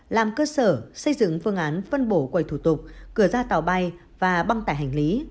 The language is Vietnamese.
làm cơ sở xây dựng phương án phân bổ quầy thủ tục cửa ra tàu bay và băng tải hành lý